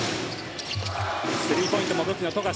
スリーポイントも武器の富樫。